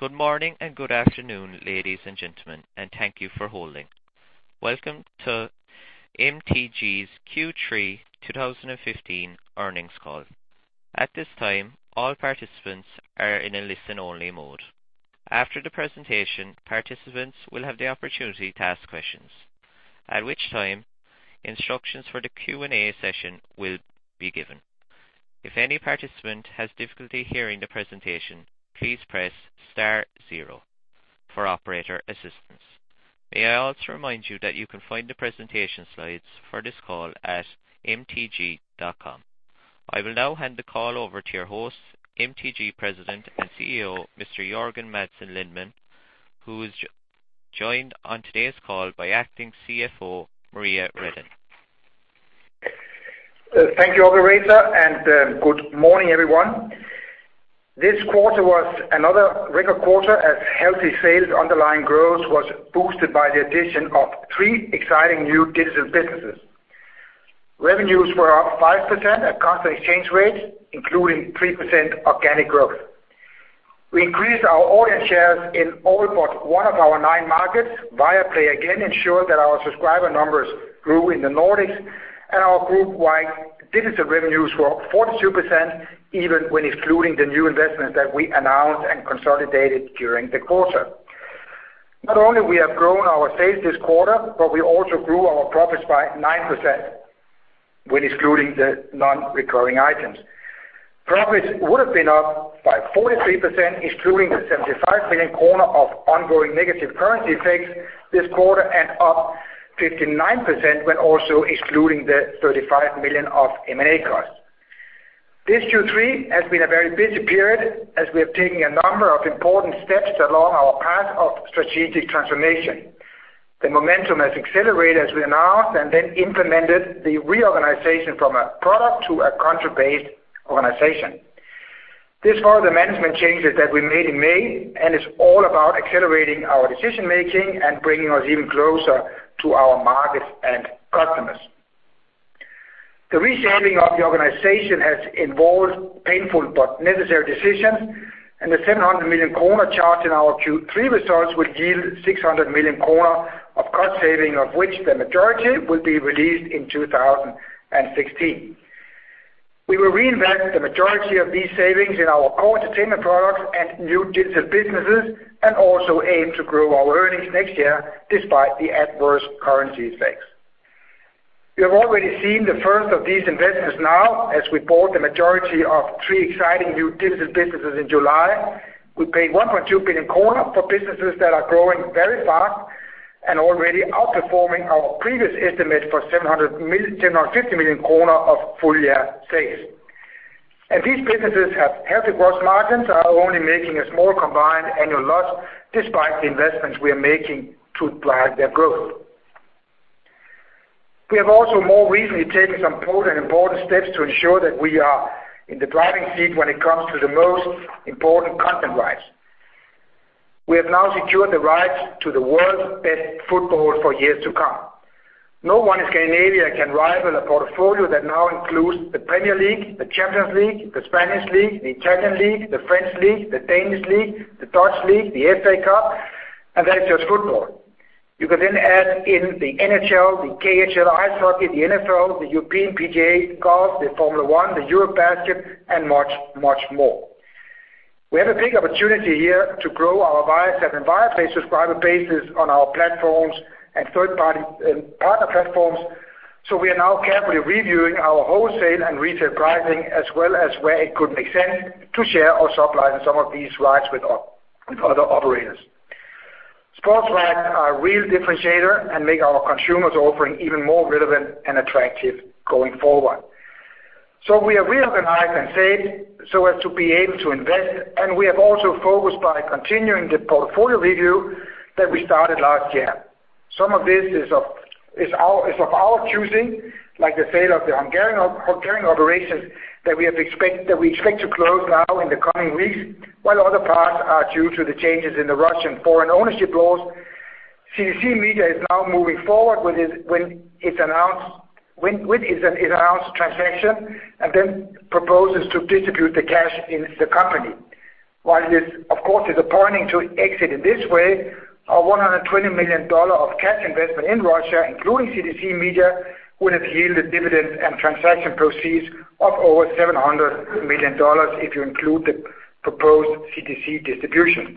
Good morning and good afternoon, ladies and gentlemen, and thank you for holding. Welcome to MTG's Q3 2015 earnings call. At this time, all participants are in a listen-only mode. After the presentation, participants will have the opportunity to ask questions, at which time instructions for the Q&A session will be given. If any participant has difficulty hearing the presentation, please press star zero for operator assistance. May I also remind you that you can find the presentation slides for this call at mtg.com. I will now hand the call over to your host, MTG President and CEO, Mr. Jørgen Madsen Lindemann, who is joined on today's call by Acting CFO, Maria Redin. Thank you, operator, and good morning, everyone. This quarter was another record quarter as healthy sales underlying growth was boosted by the addition of three exciting new digital businesses. Revenues were up 5% at constant exchange rates, including 3% organic growth. We increased our audience shares in all but one of our nine markets. Viaplay again ensured that our subscriber numbers grew in the Nordics, and our group-wide digital revenues were up 42% even when excluding the new investments that we announced and consolidated during the quarter. Not only we have grown our sales this quarter, but we also grew our profits by 9% when excluding the non-recurring items. Profits would have been up by 43%, excluding the 75 million kronor of ongoing negative currency effects this quarter and up 59% when also excluding the 35 million of M&A costs. This Q3 has been a very busy period as we have taken a number of important steps along our path of strategic transformation. The momentum has accelerated as we announced and then implemented the reorganization from a product to a country-based organization. This followed the management changes that we made in May, and it is all about accelerating our decision-making and bringing us even closer to our markets and customers. The reshaping of the organization has involved painful but necessary decisions, and the 700 million kronor charge in our Q3 results will yield 600 million kronor of cost saving, of which the majority will be released in 2016. We will reinvest the majority of these savings in our core entertainment products and new digital businesses and also aim to grow our earnings next year despite the adverse currency effects. We have already seen the first of these investments now as we bought the majority of three exciting new digital businesses in July. We paid 1.2 billion for businesses that are growing very fast and already outperforming our previous estimate for 750 million kronor of full-year sales. These businesses have healthy gross margins and are only making a small combined annual loss despite the investments we are making to drive their growth. We have also more recently taken some bold and important steps to ensure that we are in the driving seat when it comes to the most important content rights. We have now secured the rights to the world's best football for years to come. No one in Scandinavia can rival a portfolio that now includes the Premier League, the Champions League, La Liga, Serie A, Ligue 1, the Danish Superliga, the Eredivisie, the FA Cup, and that is just football. You can then add in the NHL, the KHL Ice Hockey, the NFL, the PGA European Tour, the Formula One, EuroBasket, and much, much more. We have a big opportunity here to grow our Viasat and Viaplay subscriber bases on our platforms and third-party partner platforms. We are now carefully reviewing our wholesale and retail pricing as well as where it could make sense to share or supply some of these rights with other operators. Sports rights are a real differentiator and make our consumers offering even more relevant and attractive going forward. We have reorganized and saved so as to be able to invest. We have also focused by continuing the portfolio review that we started last year. Some of this is of our choosing, like the sale of the Hungarian operations that we expect to close now in the coming weeks, while other parts are due to the changes in the Russian foreign ownership laws. CTC Media is now moving forward with its announced transaction. It then proposes to distribute the cash in the company. While it is, of course, disappointing to exit in this way, our $120 million of cash investment in Russia, including CTC Media, would have yielded dividends and transaction proceeds of over $700 million if you include the proposed CTC distribution.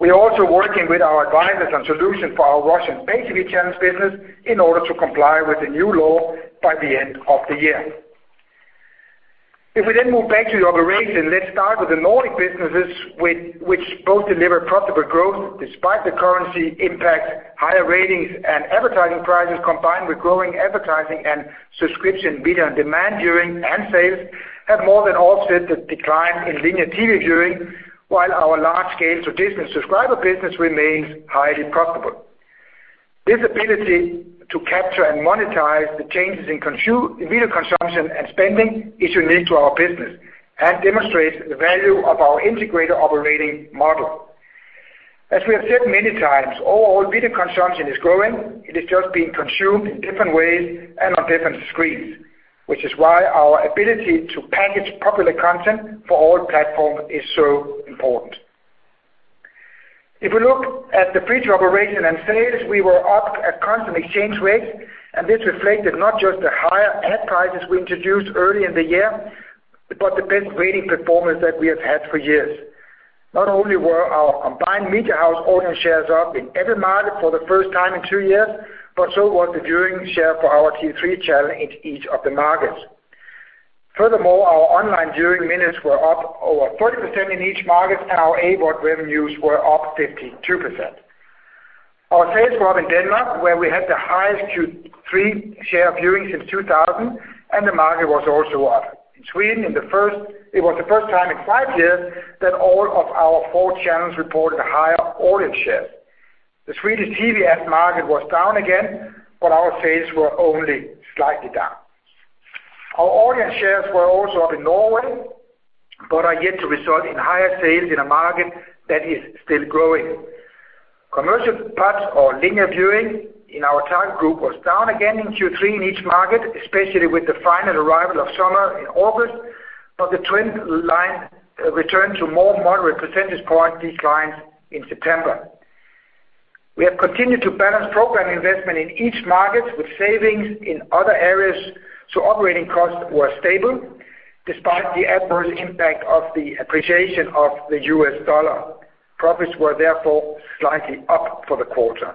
We are also working with our advisors on solution for our Russian pay-TV channels business in order to comply with the new law by the end of the year. If we then move back to the operations, let's start with the Nordic businesses, which both deliver profitable growth despite the currency impact, higher ratings, and advertising prices, combined with growing advertising and subscription video on-demand viewing and sales, have more than offset the decline in linear TV viewing, while our large-scale traditional subscriber business remains highly profitable. This ability to capture and monetize the changes in video consumption and spending is unique to our business and demonstrates the value of our integrated operating model. As we have said many times, overall video consumption is growing. It is just being consumed in different ways and on different screens, which is why our ability to package popular content for all platforms is so important. If we look at the free-to-air operation and sales, we were up at constant exchange rates. This reflected not just the higher ad prices we introduced early in the year, but the best rating performance that we have had for years. Not only were our combined media house audience shares up in every market for the first time in two years, but so was the viewing share for our Q3 channel in each of the markets. Furthermore, our online viewing minutes were up over 30% in each market, and our AVOD revenues were up 52%. Our sales were up in Denmark, where we had the highest Q3 share viewings since 2000. The market was also up. In Sweden, it was the first time in five years that all of our four channels reported a higher audience share. The Swedish TV ad market was down again, but our sales were only slightly down. Our audience shares were also up in Norway, but are yet to result in higher sales in a market that is still growing. Commercial parts or linear viewing in our target group was down again in Q3 in each market, especially with the final arrival of summer in August. The trend line returned to more moderate percentage point declines in September. We have continued to balance program investment in each market with savings in other areas. Operating costs were stable despite the adverse impact of the appreciation of the US dollar. Profits were therefore slightly up for the quarter.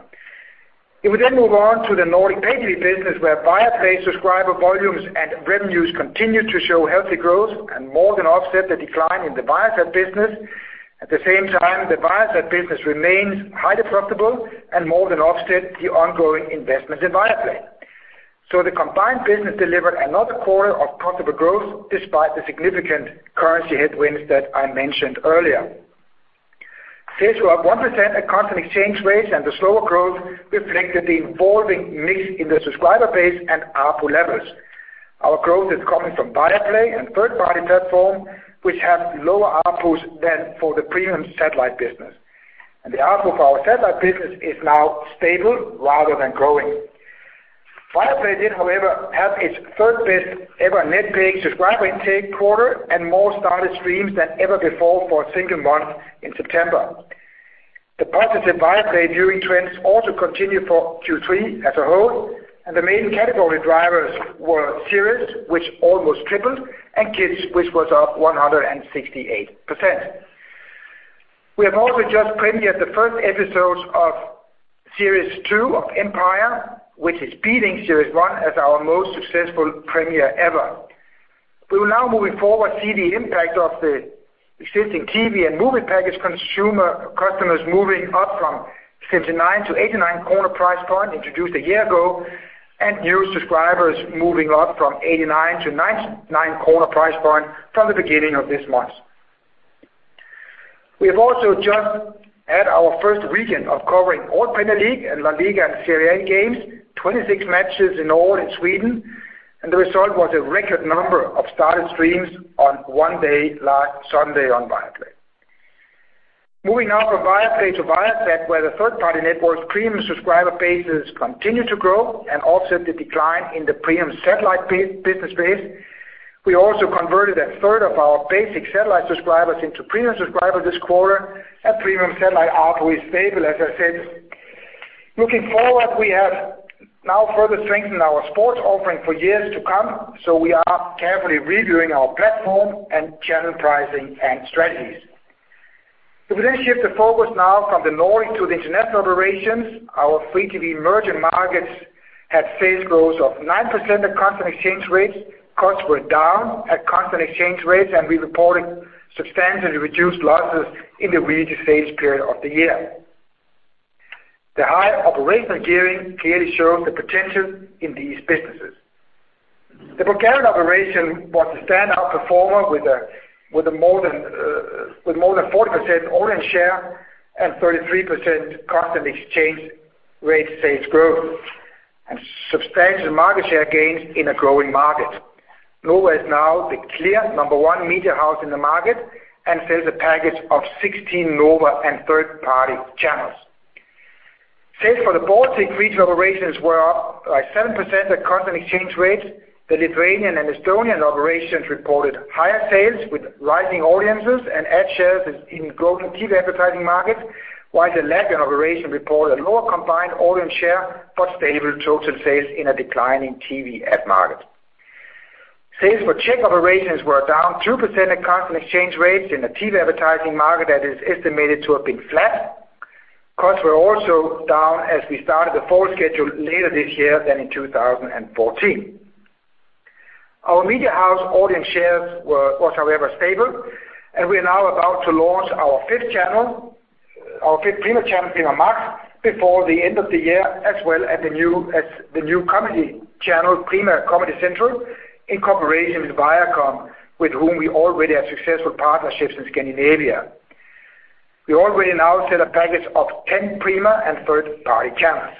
We then move on to the Nordic pay-TV business where Viaplay subscriber volumes and revenues continued to show healthy growth and more than offset the decline in the Viasat business. At the same time, the Viasat business remains highly profitable and more than offset the ongoing investments in Viaplay. The combined business delivered another quarter of profitable growth despite the significant currency headwinds that I mentioned earlier. Sales were up 1% at constant exchange rates, and the slower growth reflected the evolving mix in the subscriber base and ARPU levels. Our growth is coming from Viaplay and third-party platforms, which have lower ARPUs than for the premium satellite business. The ARPU for our satellite business is now stable rather than growing. Viaplay did, however, have its third-best-ever net paid subscriber intake quarter and more started streams than ever before for a single month in September. The positive Viaplay viewing trends also continued for Q3 as a whole. The main category drivers were series, which almost tripled, and kids, which was up 168%. We have also just premiered the first episodes of series two of Empire, which is beating series one as our most successful premiere ever. We will now, moving forward, see the impact of the existing TV and movie package consumer customers moving up from 59 to 89 price point introduced a year ago, and new subscribers moving up from 89 to 99 price point from the beginning of this month. We have also just had our first weekend of covering all Premier League and La Liga and Serie A games, 26 matches in all in Sweden. The result was a record number of started streams on one day, last Sunday, on Viaplay. Moving now from Viaplay to Viasat, where the third-party network's premium subscriber bases continue to grow and offset the decline in the premium satellite business base. We also converted a third of our basic satellite subscribers into premium subscribers this quarter. Our premium satellite ARPU is stable, as I said. Looking forward, we have now further strengthened our sports offering for years to come. We are carefully reviewing our platform and channel pricing and strategies. We then shift the focus now from the Nordic to the international operations. Our free-TV emerging markets had sales growth of 9% at constant exchange rates. Costs were down at constant exchange rates. We reported substantially reduced losses in the really stage period of the year. The higher operational gearing clearly shows the potential in these businesses. The Bulgarian operation was the standout performer with more than 40% audience share and 33% constant exchange rate sales growth and substantial market share gains in a growing market. Nova is now the clear number one media house in the market and sells a package of 16 Nova and third-party channels. Sales for the Baltic free-to-air operations were up by 7% at constant exchange rates. The Lithuanian and Estonian operations reported higher sales with rising audiences and ad shares in growing TV advertising markets. While the Latvian operation reported a lower combined audience share, but stable total sales in a declining TV ad market. Sales for Czech operations were down 2% at constant exchange rates in a TV advertising market that is estimated to have been flat. Costs were also down as we started the fall schedule later this year than in 2014. Our media house audience shares was, however, stable. We are now about to launch our fifth channel, our fifth premium channel, Prima MAX, before the end of the year, as well as the new comedy channel, Prima Comedy Central, in cooperation with Viacom, with whom we already have successful partnerships in Scandinavia. We already now sell a package of 10 Prima and third-party channels.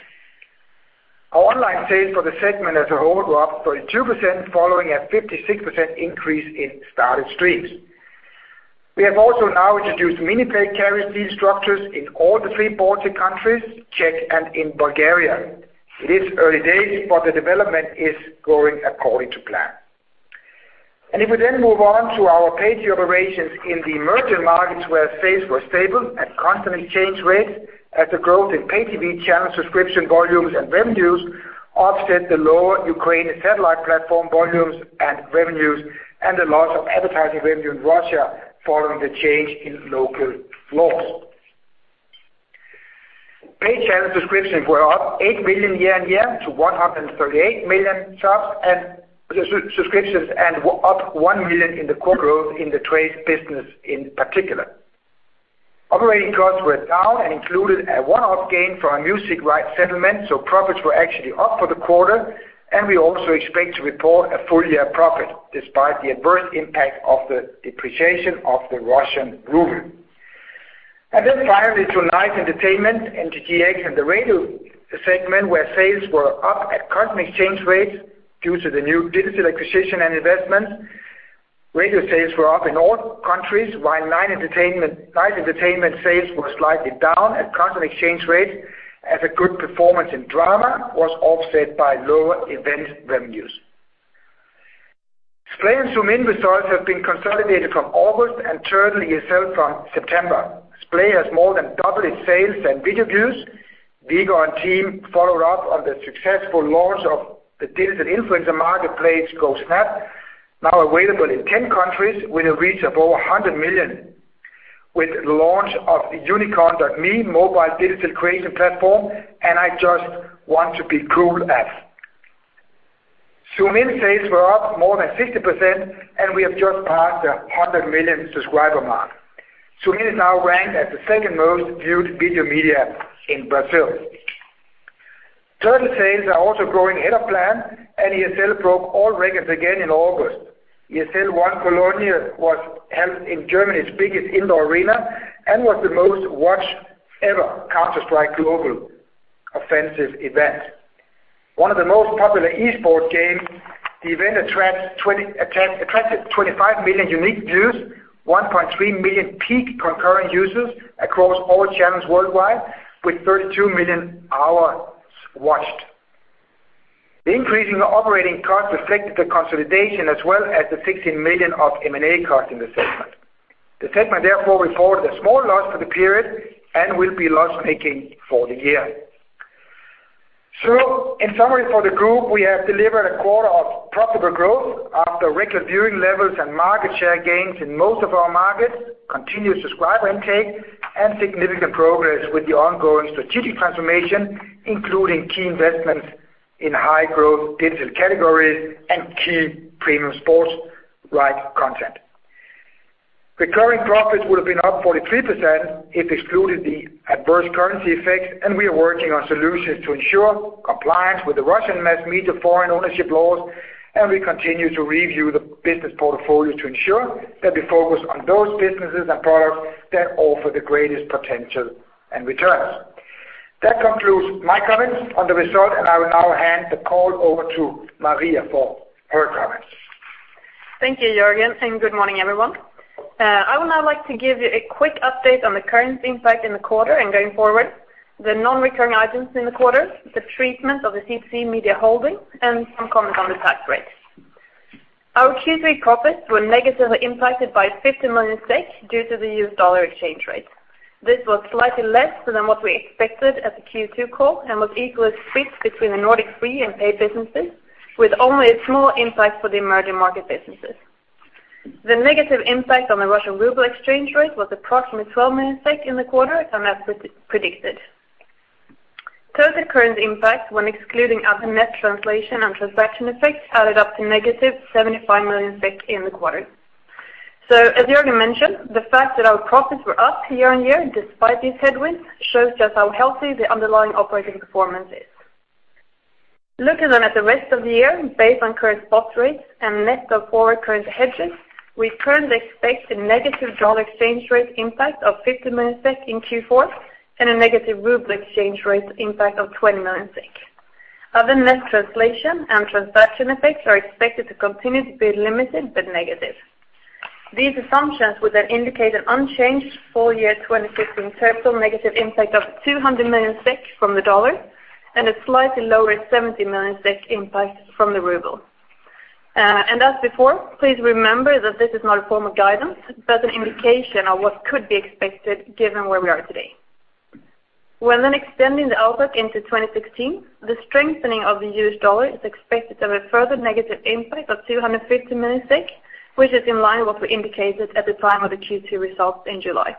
Our online sales for the segment as a whole were up 32%, following a 56% increase in started streams. We have also now introduced mini pay carry fee structures in all the three Baltic countries, Czech and in Bulgaria. It is early days, the development is going according to plan. If we then move on to our pay TV operations in the emerging markets where sales were stable at constant exchange rates as the growth in pay TV channel subscription volumes and revenues offset the lower Ukraine satellite platform volumes and revenues and the loss of advertising revenue in Russia following the change in local laws. Paid channel subscriptions were up 8 million year-on-year to 138 million subscriptions and were up 1 million in the quarter. Growth in the trade business in particular. Operating costs were down and included a one-off gain from a music rights settlement, profits were actually up for the quarter. We also expect to report a full-year profit despite the adverse impact of the depreciation of the Russian ruble. Finally to Life & Entertainment, MTGx and the Radio segment, where sales were up at constant exchange rates due to the new digital acquisition and investments. Radio sales were up in all countries, while Life & Entertainment sales were slightly down at constant exchange rates as a good performance in drama was offset by lower event revenues. Splay and Zoomin results have been consolidated from August and Turtle itself from September. Splay has more than doubled its sales and video views. Viggo and team followed up on the successful launch of the digital influencer marketplace, GoSnap, now available in 10 countries with a reach of over 100 million with launch of Unikorn.me mobile digital creation platform, and I Just Want to Be Cool app. Zoomin sales were up more than 50%. We have just passed the 100 million subscriber mark. Zoomin is now ranked as the second most viewed video media in Brazil. Turtle sales are also growing ahead of plan. ESL broke all records again in August. ESL One Cologne was held in Germany's biggest indoor arena and was the most watched ever Counter-Strike: Global Offensive event. One of the most popular esports games, the event attracted 25 million unique views, 1.3 million peak concurrent users across all channels worldwide with 32 million hours watched. The increase in operating costs reflected the consolidation as well as 16 million of M&A costs in the segment. The segment therefore reported a small loss for the period and will be loss-making for the year. In summary for the group, we have delivered a quarter of profitable growth after record viewing levels and market share gains in most of our markets, continued subscriber intake and significant progress with the ongoing strategic transformation, including key investments in high growth digital categories and key premium sports rights content. Recurring profits would have been up 43% if excluded the adverse currency effects. We are working on solutions to ensure compliance with the Russian mass media foreign ownership laws. We continue to review the business portfolio to ensure that we focus on those businesses and products that offer the greatest potential and returns. That concludes my comments on the result. I will now hand the call over to Maria for her comments. Thank you, Jørgen, and good morning, everyone. I would now like to give you a quick update on the currency impact in the quarter and going forward, the non-recurring items in the quarter, the treatment of the CTC Media Holding, and some comments on the tax rate. Our Q3 profits were negatively impacted by 50 million due to the U.S. dollar exchange rate. This was slightly less than what we expected at the Q2 call and was equally split between the Nordic free and paid businesses, with only a small impact for the emerging market businesses. The negative impact on the Russian ruble exchange rate was approximately 12 million SEK in the quarter and as predicted. Total currency impact when excluding other net translation and transaction effects added up to negative 75 million in the quarter. As Jørgen mentioned, the fact that our profits were up year-on-year despite these headwinds shows just how healthy the underlying operating performance is. Looking at the rest of the year, based on current spot rates and net of forward currency hedges, we currently expect a negative dollar exchange rate impact of 50 million SEK in Q4 and a negative ruble exchange rate impact of 20 million SEK. Other net translation and transaction effects are expected to continue to be limited but negative. These assumptions would indicate an unchanged full year 2015 total negative impact of 200 million SEK from the dollar and a slightly lower 70 million SEK impact from the ruble. As before, please remember that this is not a form of guidance, but an indication of what could be expected given where we are today. When extending the outlook into 2016, the strengthening of the US dollar is expected to have a further negative impact of 250 million, which is in line with what we indicated at the time of the Q2 results in July.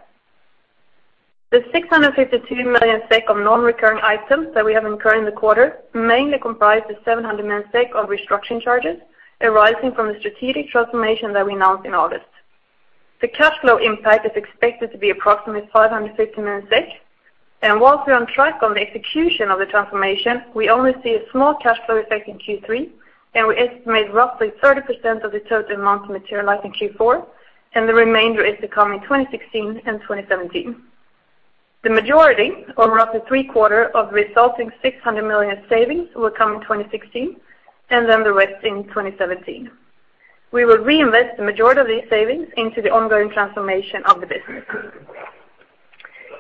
The 652 million SEK of non-recurring items that we have incurred in the quarter mainly comprise the 700 million SEK of restructuring charges arising from the strategic transformation that we announced in August. The cash flow impact is expected to be approximately 550 million SEK. Whilst we're on track on the execution of the transformation, we only see a small cash flow effect in Q3, and we estimate roughly 30% of the total amount to materialize in Q4, and the remainder is to come in 2016 and 2017. The majority or roughly three quarter of resulting 600 million savings will come in 2016. The rest in 2017. We will reinvest the majority of these savings into the ongoing transformation of the business.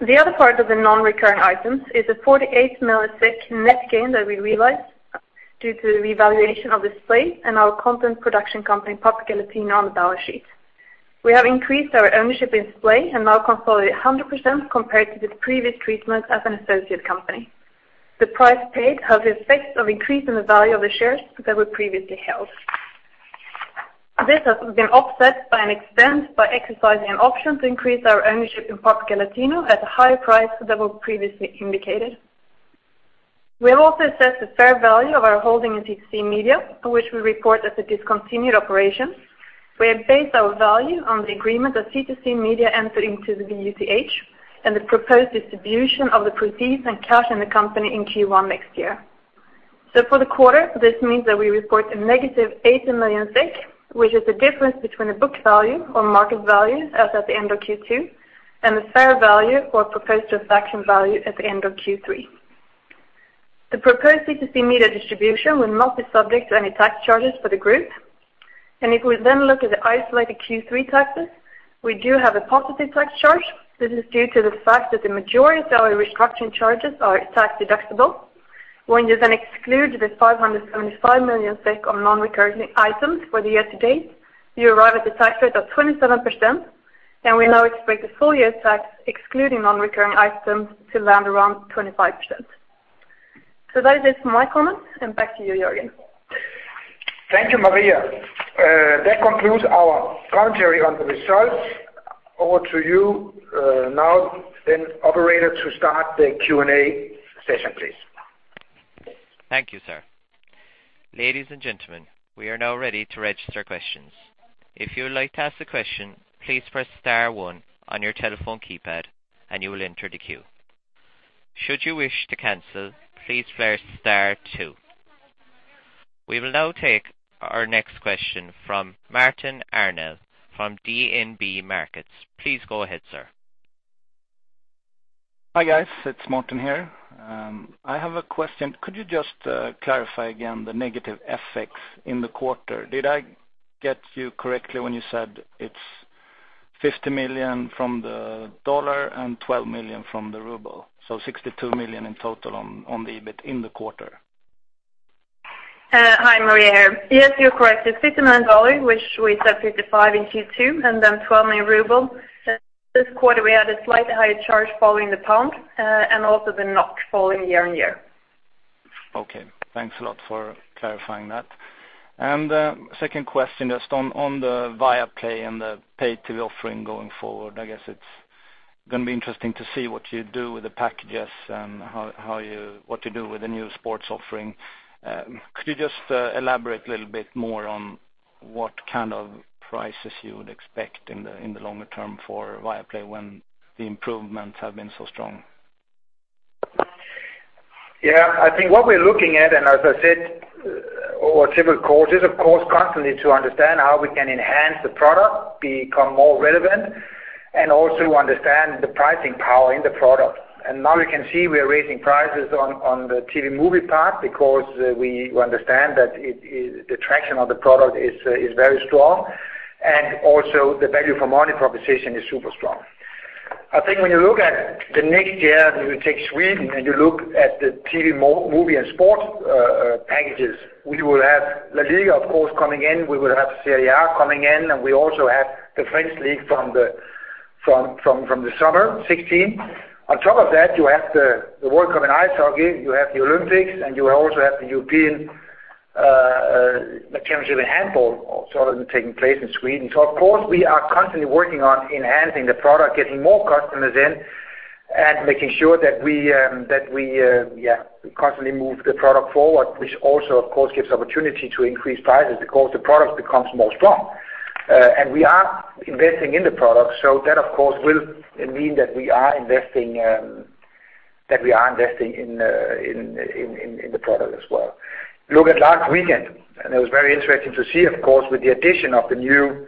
The other part of the non-recurring items is a 48 million net gain that we realized due to the revaluation of the Splay and our content production company, Paprika Latino, on the balance sheet. We have increased our ownership in Splay and now consolidate 100% compared to the previous treatment as an associate company. The price paid has the effect of increasing the value of the shares that were previously held. This has been offset by an expense by exercising an option to increase our ownership in Paprika Latino at a higher price than was previously indicated. We have also assessed the fair value of our holding in CTC Media, which we report as a discontinued operation. We have based our value on the agreement that CTC Media entered into the UTH and the proposed distribution of the proceeds and cash in the company in Q1 next year. For the quarter, this means that we report a negative 18 million, which is the difference between the book value or market value as at the end of Q2, and the fair value or proposed transaction value at the end of Q3. The proposed CTC Media distribution will not be subject to any tax charges for the group. If we look at the isolated Q3 taxes, we do have a positive tax charge. This is due to the fact that the majority of our restructuring charges are tax deductible. When you exclude the 575 million SEK of non-recurring items for the year to date, you arrive at a tax rate of 27%, and we now expect the full year tax excluding non-recurring items to land around 25%. That is it for my comments, and back to you, Jørgen. Thank you, Maria. That concludes our commentary on the results. Over to you now operator to start the Q&A session, please. Thank you, sir. Ladies and gentlemen, we are now ready to register questions. If you would like to ask a question, please press star one on your telephone keypad and you will enter the queue. Should you wish to cancel, please press star two. We will now take our next question from Martin Arnell from DNB Markets. Please go ahead, sir. Hi guys, it's Martin here. I have a question. Could you just clarify again the negative FX in the quarter? Did I get you correctly when you said it's 50 million from the U.S. dollar and 12 million from the ruble, so 62 million in total on the EBIT in the quarter? Hi, Maria here. Yes, you're correct. It's SEK 50 million from the U.S. dollar, which we said 55 million in Q2, and then 12 million from the ruble. This quarter, we had a slightly higher charge following the GBP, and also the NOK following year-over-year. Okay. Thanks a lot for clarifying that. Second question just on the Viaplay and the pay TV offering going forward. I guess it's going to be interesting to see what you do with the packages and what you do with the new sports offering. Could you just elaborate a little bit more on what kind of prices you would expect in the longer term for Viaplay when the improvements have been so strong? Yeah, I think what we're looking at, and as I said, over several quarters, of course constantly to understand how we can enhance the product, become more relevant, and also understand the pricing power in the product. Now we can see we are raising prices on the TV movie part because we understand that the traction of the product is very strong and also the value for money proposition is super strong. I think when you look at the next year, when you take Sweden and you look at the TV movie and sports packages, we will have La Liga, of course, coming in. We will have Serie A coming in. We also have the French league from the summer 2016. On top of that, you have the World Cup in ice hockey, you have the Olympics, and you also have the European Championship in handball also taking place in Sweden. Of course we are constantly working on enhancing the product, getting more customers in, and making sure that we constantly move the product forward, which also of course gives opportunity to increase prices because the product becomes more strong. We are investing in the product, so that of course will mean that we are investing in the product as well. Look at last weekend, it was very interesting to see, of course, with the addition of the new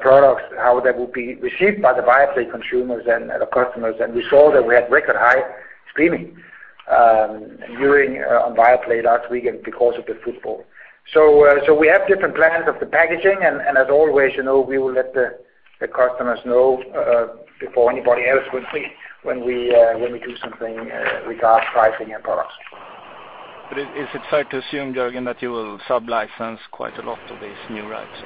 products, how that will be received by the Viaplay consumers and the customers. We saw that we had record high streaming during Viaplay last weekend because of the football. We have different plans of the packaging, and as always, we will let the customers know before anybody else when we do something regard pricing and products. Is it fair to assume, Jørgen, that you will sub-license quite a lot of these new rights?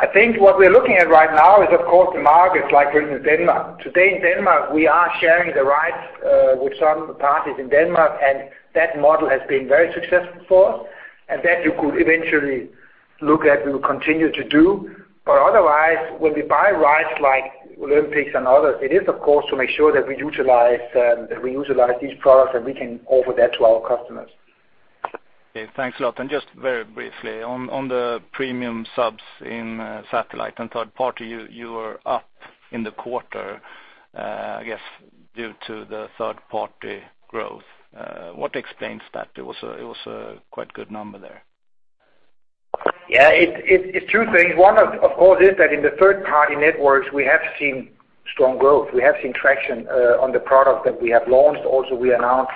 I think what we're looking at right now is of course the markets like we're in Denmark. Today in Denmark, we are sharing the rights with some parties in Denmark, and that model has been very successful for us. That you could eventually look at we will continue to do. Otherwise, when we buy rights like Olympics and others, it is of course to make sure that we utilize these products and we can offer that to our customers. Okay, thanks a lot. Just very briefly on the premium subs in satellite and third-party, you are up in the quarter, I guess due to the third-party growth. What explains that? It was quite a good number there. It's 2 things. One, of course, is that in the third-party networks, we have seen strong growth. We have seen traction on the product that we have launched. Also, we announced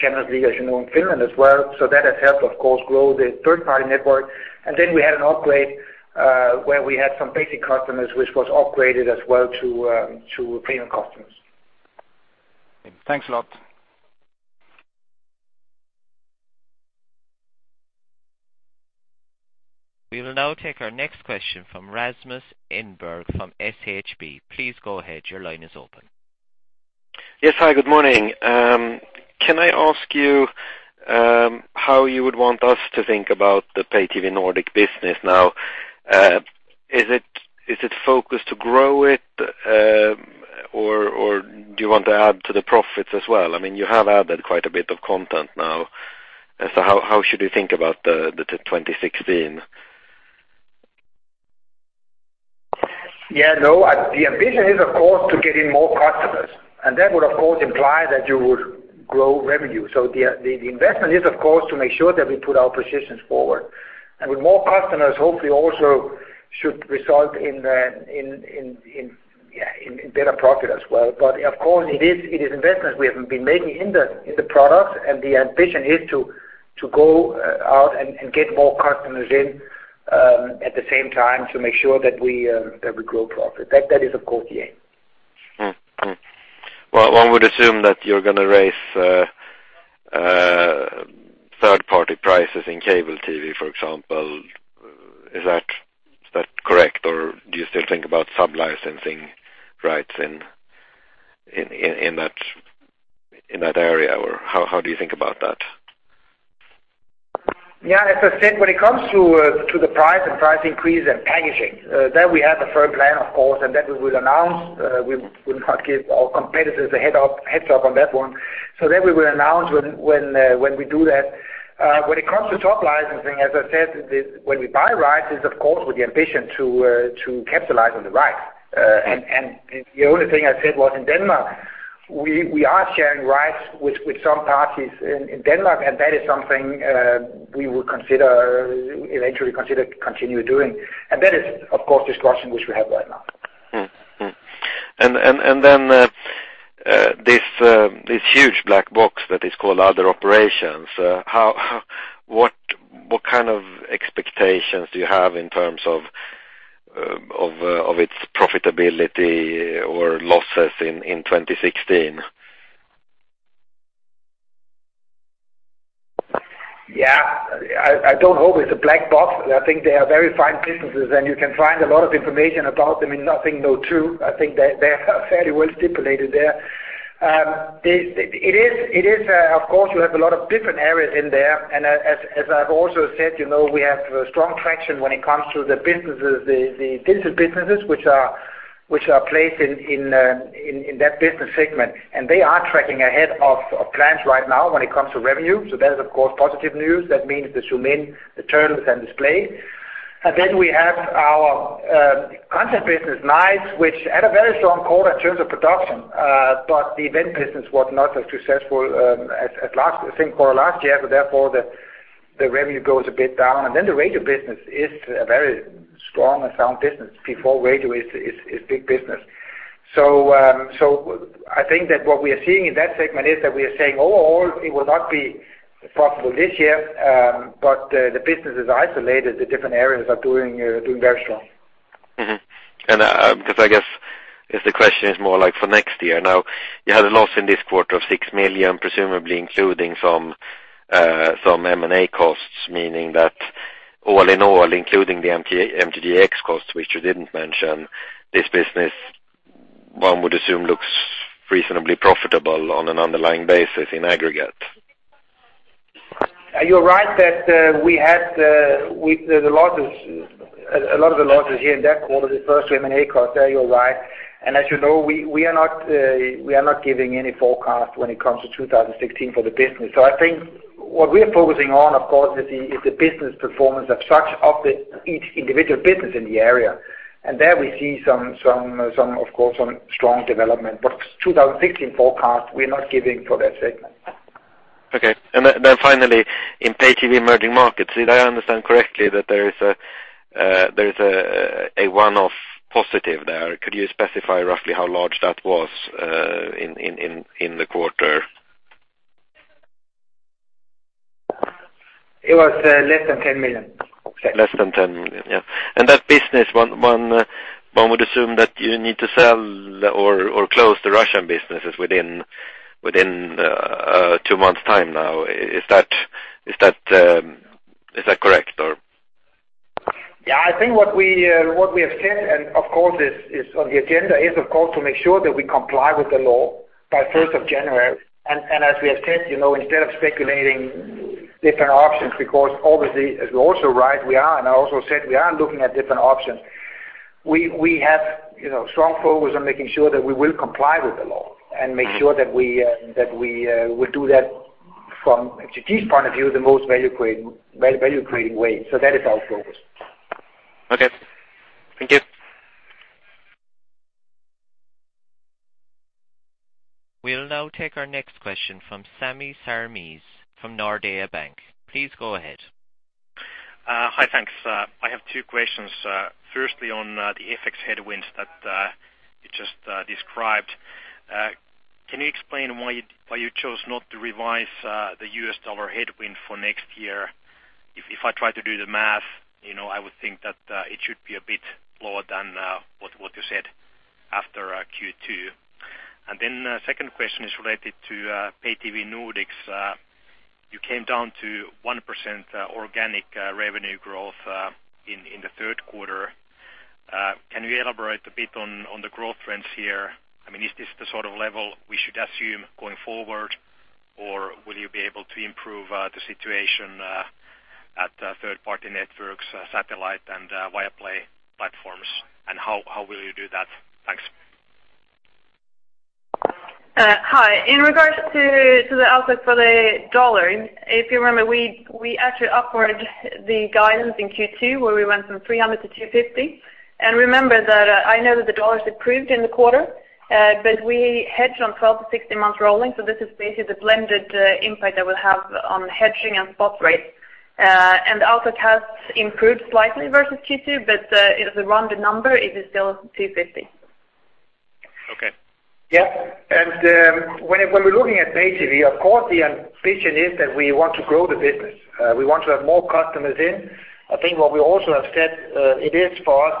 Champions League, as you know, in Finland as well. That has helped, of course, grow the third-party network. Then we had an upgrade where we had some basic customers, which was upgraded as well to premium customers. Thanks a lot. We will now take our next question from Rasmus Enberg from SHB. Please go ahead. Your line is open. Yes. Hi, good morning. Can I ask you how you would want us to think about the pay TV Nordic business now? Is it focused to grow it, or do you want to add to the profits as well? You have added quite a bit of content now. How should we think about the 2016? No. The ambition is, of course, to get in more customers. That would, of course, imply that you would grow revenue. The investment is, of course, to make sure that we put our positions forward. With more customers, hopefully also should result in better profit as well. Of course, it is investments we have been making in the products, and the ambition is to go out and get more customers in, at the same time to make sure that we grow profit. That is, of course, the aim. Well, one would assume that you're going to raise third-party prices in cable TV, for example. Is that correct, or do you still think about sub-licensing rights in that area, or how do you think about that? Yeah, as I said, when it comes to the price and price increase and packaging, there we have a firm plan, of course, and that we will announce. We will not give our competitors a heads up on that one. That we will announce when we do that. When it comes to top licensing, as I said, when we buy rights, it's of course with the ambition to capitalize on the rights. The only thing I said was in Denmark, we are sharing rights with some parties in Denmark, and that is something we will eventually consider continue doing. That is, of course, discussion which we have right now. This huge black box that is called other operations. What kind of expectations do you have in terms of its profitability or losses in 2016? Yeah. I don't know if it's a black box. I think they are very fine businesses, and you can find a lot of information about them in nothing, no true. I think they're fairly well stipulated there. Of course, you have a lot of different areas in there. As I've also said, we have strong traction when it comes to the digital businesses which are placed in that business segment. They are tracking ahead of plans right now when it comes to revenue, that is, of course, positive news. That means the Zoomin.TV, the turtles, and Splay. We have our content business, Nice, which had a very strong quarter in terms of production. The event business was not as successful as I think for last year, therefore the revenue goes a bit down. The radio business is a very strong and sound business. P4 Radio is big business. I think that what we are seeing in that segment is that we are saying overall it will not be profitable this year, but the business is isolated. The different areas are doing very strong. I guess the question is more like for next year. You had a loss in this quarter of 6 million, presumably including some M&A costs, meaning that all in all, including the MTGx costs, which you didn't mention, this business, one would assume looks reasonably profitable on an underlying basis in aggregate. You're right that we had a lot of the losses here in that quarter, the first M&A cost. There you're right. As you know, we are not giving any forecast when it comes to 2016 for the business. I think what we are focusing on, of course, is the business performance of each individual business in the area. There we see, of course, some strong development. 2016 forecast, we're not giving for that segment. Okay. Finally, in Pay TV Emerging Markets, did I understand correctly that there is a one-off positive there? Could you specify roughly how large that was in the quarter? It was less than 10 million. Less than 10 million. Yeah. That business, one would assume that you need to sell or close the Russian businesses within two months’ time now. Is that correct, or? Yeah, I think what we have said and of course is on the agenda is, of course, to make sure that we comply with the law by 1st of January. As we have said, instead of speculating different options, because obviously, as you're also right, and I also said we are looking at different options. We have strong focus on making sure that we will comply with the law and make sure that we will do that from MTG's point of view, the most value-creating way. That is our focus. Okay. Thank you. We'll now take our next question from Sami Sarkamies from Nordea Bank. Please go ahead. Hi, thanks. I have two questions. Firstly, on the FX headwinds that you just described. Can you explain why you chose not to revise the US dollar headwind for next year? If I try to do the math, I would think that it should be a bit lower than what you said after Q2. Second question is related to Pay TV Nordics. You came down to 1% organic revenue growth in the third quarter. Can you elaborate a bit on the growth trends here? I mean, is this the sort of level we should assume going forward, or will you be able to improve the situation at third-party networks, satellite, and Viaplay platforms, and how will you do that? Thanks. Hi. In regards to the outlook for the dollar, if you remember, we actually upward the guidance in Q2 where we went from 300-250. Remember that I know that the dollar's improved in the quarter, but we hedged on 12 to 16 months rolling, so this is basically the blended impact that will have on hedging and spot rates. The outlook has improved slightly versus Q2, but as a rounded number, it is still 250. Okay. Yes. When we're looking at Pay TV, of course, the ambition is that we want to grow the business. We want to have more customers in. I think what we also have said, it is for us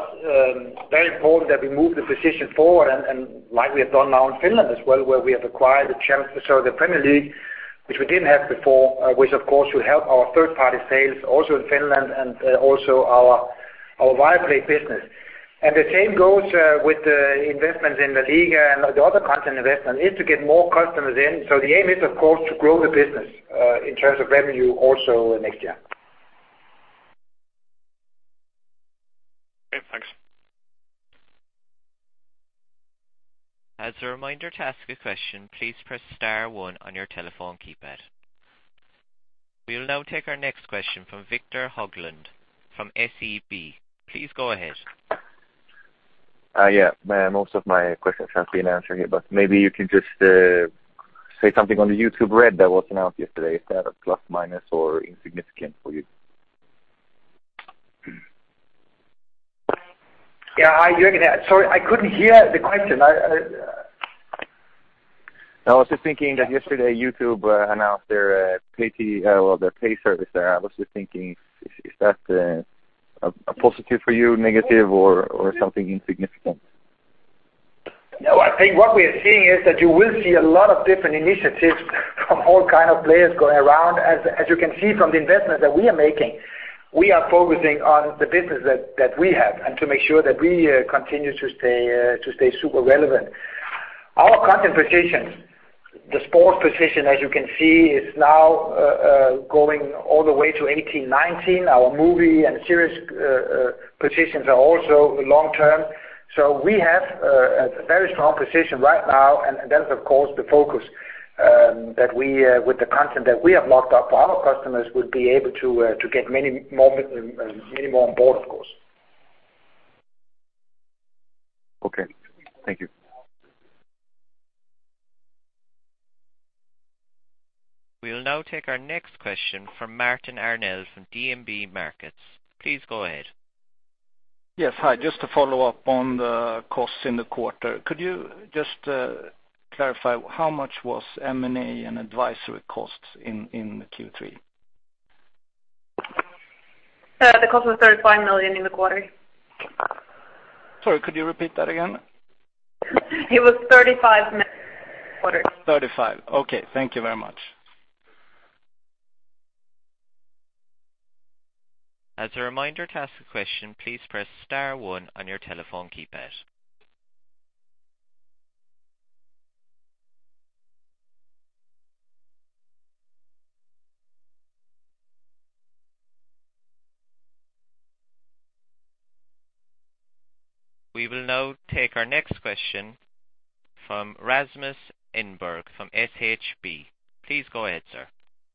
very important that we move the position forward and like we have done now in Finland as well, where we have acquired the chance to show the Premier League, which we didn't have before, which of course will help our third-party sales also in Finland and also our Viaplay business. The same goes with the investments in LaLiga and the other content investment, is to get more customers in. The aim is of course to grow the business, in terms of revenue also next year. Okay, thanks. As a reminder, to ask a question, please press star one on your telephone keypad. We'll now take our next question from Viktor Höglund from SEB. Please go ahead. Yeah. Most of my questions have been answered here, maybe you can just say something on the YouTube Red that was announced yesterday. Is that a plus, minus, or insignificant for you? Yeah. Sorry, I couldn't hear the question. I was just thinking that yesterday YouTube announced their pay service there. I was just thinking, is that a positive for you, negative, or something insignificant? No, I think what we're seeing is that you will see a lot of different initiatives from all kind of players going around. As you can see from the investment that we are making, we are focusing on the business that we have and to make sure that we continue to stay super relevant. Our content positions, the sports position, as you can see, is now going all the way to 18, 19. Our movie and series positions are also long-term. We have a very strong position right now, and that is, of course, the focus that with the content that we have locked up for our customers would be able to get many more on board, of course. Okay. Thank you. We'll now take our next question from Martin Arnell from DNB Markets. Please go ahead. Yes. Hi. Just to follow up on the costs in the quarter. Could you just clarify how much was M&A and advisory costs in Q3? The cost was 35 million in the quarter. Sorry, could you repeat that again? It was 35 million quarter. 35. Okay. Thank you very much. As a reminder, to ask a question, please press star one on your telephone keypad. We will now take our next question from Rasmus Enberg from SHB. Please go ahead, sir.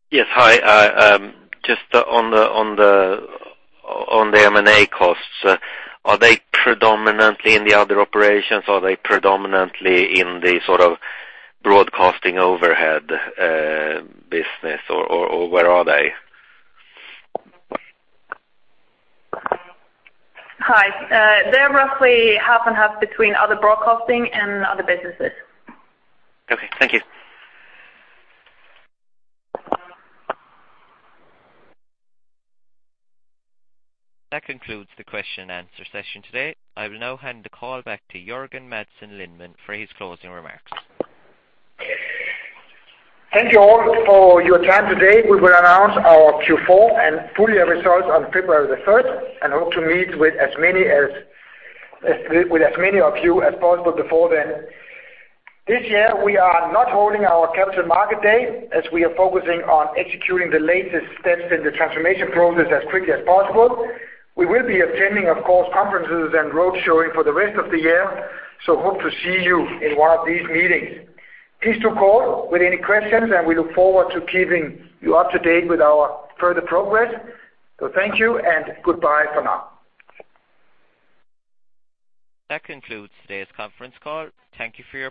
Yes. Hi. Just on the M&A costs, are they predominantly in the other operations? Are they predominantly in the sort of broadcasting overhead business, or where are they? Hi. They're roughly half and half between other broadcasting and other businesses. Okay, thank you. That concludes the question and answer session today. I will now hand the call back to Jørgen Madsen Lindemann for his closing remarks. Thank you all for your time today. We will announce our Q4 and full year results on February the 3rd, and hope to meet with as many of you as possible before then. This year, we are not holding our Capital Market Day, as we are focusing on executing the latest steps in the transformation process as quickly as possible. We will be attending, of course, conferences and road showing for the rest of the year, so hope to see you in one of these meetings. Please do call with any questions, and we look forward to keeping you up to date with our further progress. Thank you, and goodbye for now. That concludes today's conference call. Thank you for your